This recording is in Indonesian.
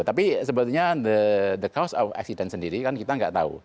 tapi sebetulnya the cause of accident sendiri kan kita nggak tahu